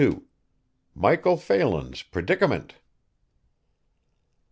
MICHAEL PHELAN'S PREDICAMENT.